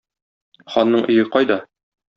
Ханның өе кайда?